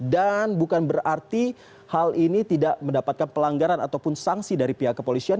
dan bukan berarti hal ini tidak mendapatkan pelanggaran ataupun sanksi dari pihak kepolisian